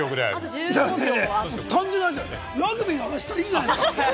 単純にラグビーの話したらいいじゃないですか！